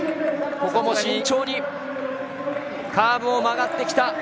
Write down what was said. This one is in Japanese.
ここも慎重にカーブを曲がってきた。